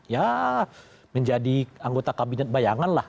ya menjadi anggota kabinet bayangan lah